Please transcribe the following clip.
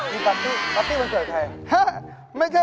มีปาร์ตี้ปาร์ตี้มันเกิดใคร